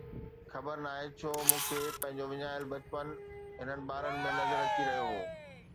خبر ناهي ڇو مون کي پنهنجو وڃايل بچپن هنن ٻارن ۾ نظر اچي رهيو هو